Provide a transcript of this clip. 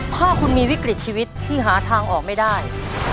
ถ้าคุณมีวิกฤตชีวิตที่หาทางออกไม่ได้